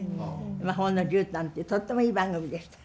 「魔法のじゅうたん」ってとってもいい番組でした。